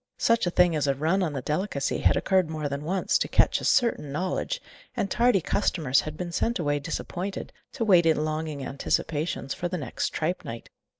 Such a thing as a run on the delicacy had occurred more than once, to Ketch's certain knowledge, and tardy customers had been sent away disappointed, to wait in longing anticipations for the next tripe night.